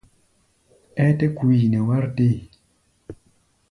Ɛ́ɛ́ tɛ́ ku yi nɛ wár dée?